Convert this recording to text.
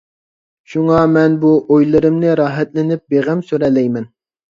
شۇڭا مەن بۇ ئويلىرىمنى راھەتلىنىپ بىغەم سۈرەلەيمەن.